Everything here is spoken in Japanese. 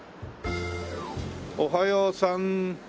おはようさん。